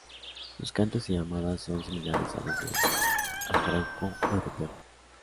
Sus cantos y llamadas son similares a los del abejaruco europeo.